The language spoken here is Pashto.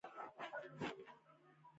سرحدونه د افغانستان د طبیعي زیرمو برخه ده.